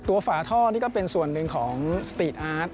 ฝาท่อนี่ก็เป็นส่วนหนึ่งของสตีทอาร์ต